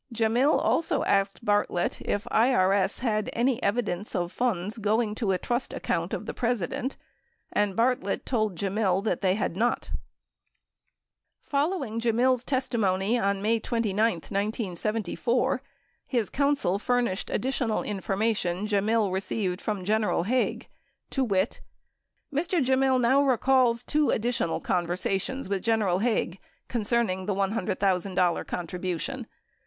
* Gemmill also asked Bartlett if IRS had any evidence of funds going to a trust account of the President, and Bartlett told Gemmill that they had not. Following Gemmill's testimony on May 29, 1974, his counsel furnished additional information Gemmill received from General Haig to wit : Mr. Gemmill now recalls two additional conversations with General Haig concerning the $100,000 contribution.